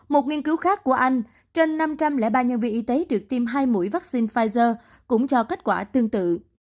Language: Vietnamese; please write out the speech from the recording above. một nghiên cứu khác của anh trên năm trăm linh ba nhân viên y tế được tiêm hai mũi vaccine pfizer cũng cho kết quả tương tự